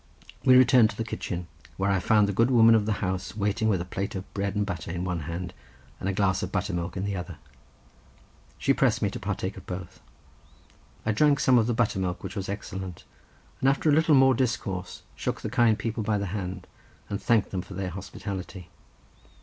We returned to the kitchen, where I found the good woman of the house waiting with a plate of bread and butter in one hand, and a glass of buttermilk in the other—she pressed me to partake of both—I drank some of the buttermilk, which was excellent, and after a little more discourse shook the kind people by the hand and thanked them for their hospitality.